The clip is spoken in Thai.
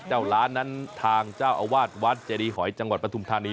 เจ้าล้านนั้นทางเจ้าอาวาสวัดเจดีหอยจังหวัดปฐุมธานี